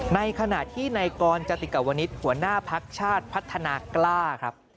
ในขณะที่ในกรจติกวนิษฐ์หัวหน้าพักชาติพัฒนากล้าครับ